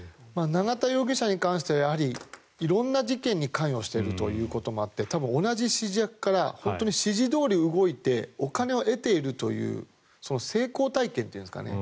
永田容疑者に関しては色んな事件に関与しているということもあって同じ指示役から指示どおり動いてお金を得ているという成功体験というんですかね